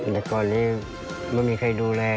แต่ก่อนนี้ไม่มีใครดูแล